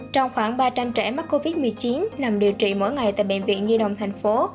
trong khoảng ba trăm linh trẻ mắc covid một mươi chín nằm điều trị mỗi ngày tại bệnh viện nhi đồng thành phố